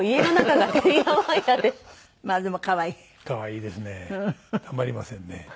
たまりません？